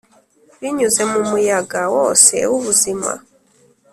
binyuze mu muyaga wose w'ubuzima,